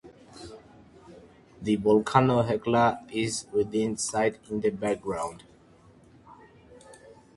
The volcano Hekla is within sight in the background.